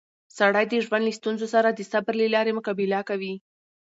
سړی د ژوند له ستونزو سره د صبر له لارې مقابله کوي